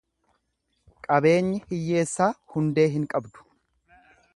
Qabeenyi hiyyeessaa hundee hin qabdu.